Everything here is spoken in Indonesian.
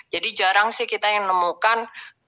jadi jarang sih kita yang nemukan